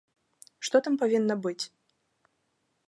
Што там павінна быць?